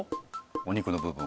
お肉の部分を。